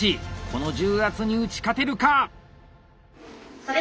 この重圧に打ち勝てるか！